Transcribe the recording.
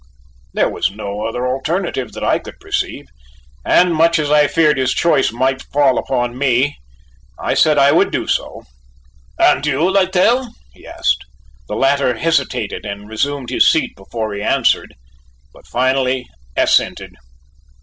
There was no other alternative that I could perceive, and much as I feared his choice might fall upon me, I said I would do so. "And you, Littell," he asked. The latter hesitated and resumed his seat before he answered, but finally assented.